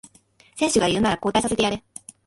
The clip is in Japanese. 選手が言うなら交代させてやれ